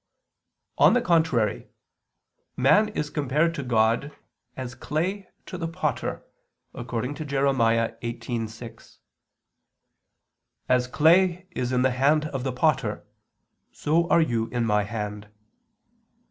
On the contrary, Man is compared to God as clay to the potter, according to Jer. 18:6: "As clay is in the hand of the potter, so are you in My hand."